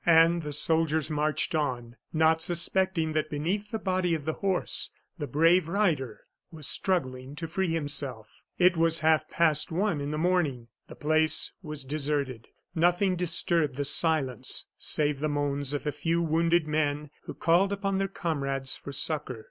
And the soldiers marched on, not suspecting that beneath the body of the horse the brave rider was struggling to free himself. It was half past one in the morning the place was deserted. Nothing disturbed the silence save the moans of a few wounded men, who called upon their comrades for succor.